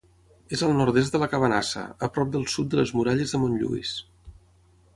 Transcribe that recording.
És al nord-est de la Cabanassa, a prop al sud de les muralles de Montlluís.